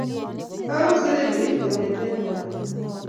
Kakase radiot kongete karon.